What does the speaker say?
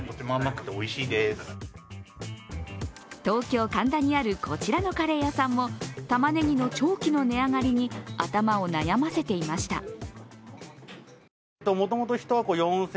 東京・神田にあるこちらのカレー屋さんもたまねぎの長期の値上がりに頭を悩ませていました。